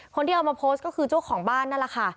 คนที่เอามาโพสต์ก็คือเจ้าของบ้านนั่นแหละค่ะ